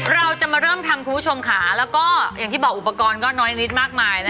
เราจะมาเริ่มทำคุณผู้ชมค่ะแล้วก็อย่างที่บอกอุปกรณ์ก็น้อยนิดมากมาย